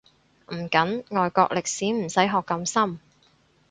唔緊，外國歷史唔使學咁深